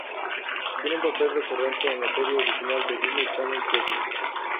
Tiene un papel recurrente en la serie original de Disney Channel "Jessie".